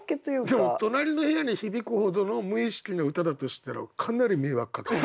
でも隣の部屋に響くほどの無意識の歌だとしたらかなり迷惑かけてる。